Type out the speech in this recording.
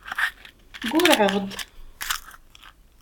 Ggurrɛeɣ-d.